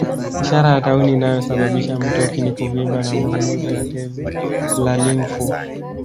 Ishara ya tauni inayosababisha mtoki ni kuvimba na maumivu ya tezi za limfu